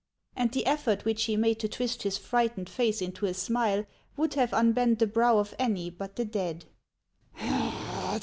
And the effort which he made to twist his frightened face into a smile would have unbent the brow of any but the dead.